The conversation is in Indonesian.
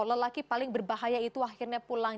lelaki paling berbahaya itu akhirnya pulang